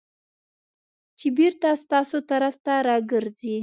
چې بېرته ستاسو طرف ته راګرځي .